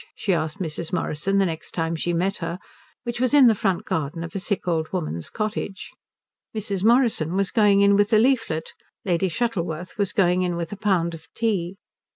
she asked Mrs. Morrison the next time she met her, which was in the front garden of a sick old woman's cottage. Mrs. Morrison was going in with a leaflet; Lady Shuttleworth was going in with a pound of tea.